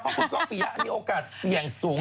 เพราะคุณก้องปียะมีโอกาสเสี่ยงสูง